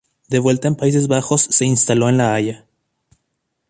De vuelta en el Países Bajos, se instaló en La Haya.